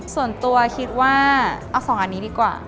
ส่วนตัวคิดว่าเอา๒อันนี้ดีกว่า